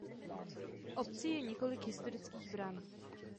V obci je několik historických bran.